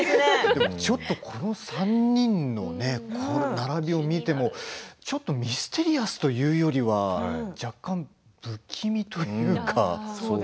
この３人の並びを見てもミステリアスというよりは若干、不気味というか。